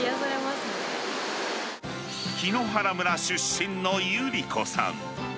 檜原村出身の百合子さん。